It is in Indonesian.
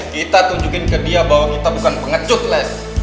kita tunjukin ke dia bahwa kita bukan pengecut les